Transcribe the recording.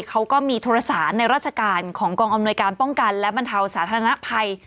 เขาก็มีโทรสารในราชการของกองอำนวยการป้องกันและบรรเทาสาธารณภัย